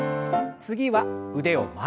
次は腕を前。